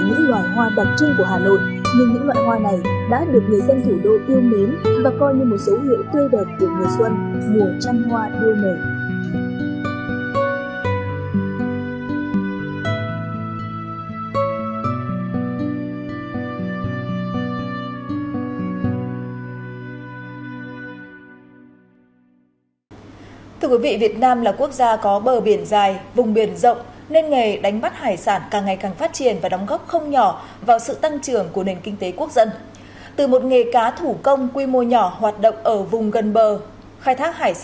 mùa hoa tinh khôi nhưng cũng rất rực rỡ mang lại vẻ đẹp giản dị khiến cảnh sát phố phường hà nội thêm cuốn hút